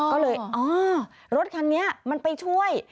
ก็เลยอ๋อรถคันนี้มันไปช่วย